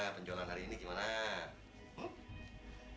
penjualan hari ini gimana